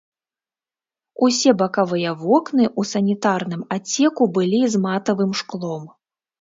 Усе бакавыя вокны ў санітарным адсеку былі з матавым шклом.